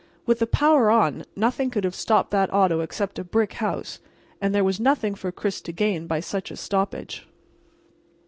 With the power on nothing could have stopped that auto except a brick house, and there was nothing for Chris to gain by such a stoppage.